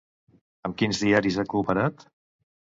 Amb quins diaris ha cooperat?